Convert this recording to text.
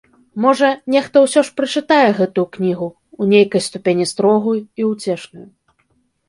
Можа, нехта ўсё ж прачытае гэтую кнігу, у нейкай ступені строгую і ўцешную.